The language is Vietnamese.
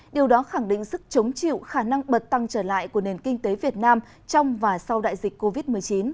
điều đó khẳng định sức chống chịu khả năng bật tăng trở lại của nền kinh tế việt nam trong và sau đại dịch covid một mươi chín